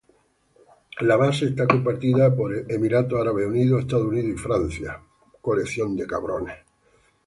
La base está compartida por Emiratos Árabes Unidos, Estados Unidos y Francia.